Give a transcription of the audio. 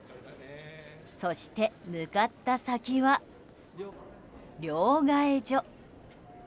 そして向かった先は両替所。